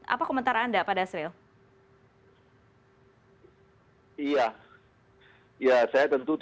apa komentar anda pada asriel